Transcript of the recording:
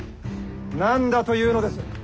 何だというのです！